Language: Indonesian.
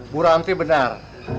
bu ranti benar